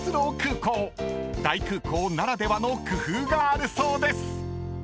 ［大空港ならではの工夫があるそうです］